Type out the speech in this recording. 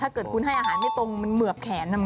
ถ้าเกิดคุณให้อาหารไม่ตรงมันเหมือบแขน